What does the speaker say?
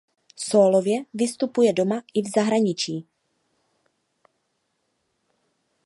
Sólově vystupuje doma i v zahraničí.